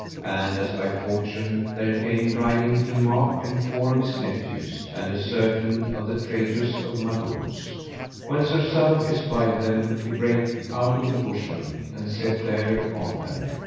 And as by fortune, there came riding King Mark and four of his nephews, and a certain of the traitors of Magouns. When Sir Sadok espied them he brake out of the bushment, and set there upon them.